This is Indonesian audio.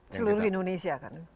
seluruh indonesia kan